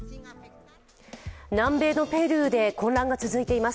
南米のペルーで混乱が続いています。